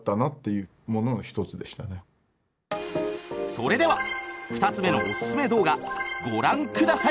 それでは２つ目のオススメ動画ご覧下さい！